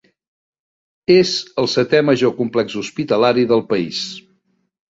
És el setè major complex hospitalari del país.